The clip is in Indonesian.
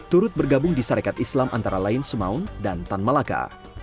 turut bergabung di sarekat islam antara lain semaun dan tan malaka